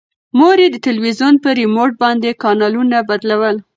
مور یې د تلویزون په ریموټ باندې کانالونه بدلول.